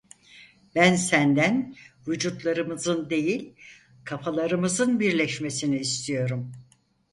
Ben senden vücutlarımızın değil kafalarımızın birleşmesini istiyorum…